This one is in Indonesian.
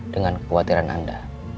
dengan kekhawatiran anda